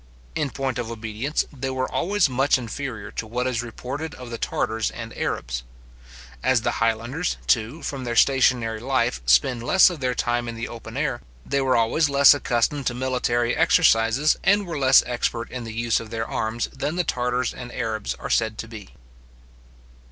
In point of obedience, they were always much inferior to what is reported of the Tartars and Arabs. As the Highlanders, too, from their stationary life, spend less of their time in the open air, they were always less accustomed to military exercises, and were less expert in the use of their arms than the Tartars and Arabs are said to be.